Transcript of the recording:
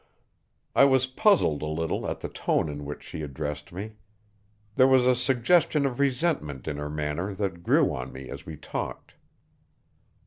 I was puzzled a little at the tone in which she addressed me. There was a suggestion of resentment in her manner that grew on me as we talked.